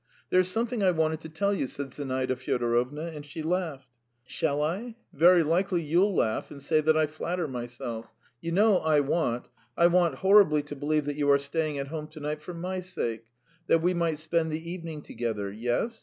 "There is something I wanted to tell you," said Zinaida Fyodorovna, and she laughed; "shall I? Very likely you'll laugh and say that I flatter myself. You know I want, I want horribly to believe that you are staying at home to night for my sake ... that we might spend the evening together. Yes?